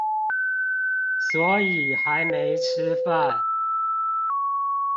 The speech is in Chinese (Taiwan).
所以還沒吃飯